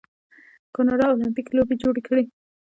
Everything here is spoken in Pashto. کاناډا المپیک لوبې جوړې کړي.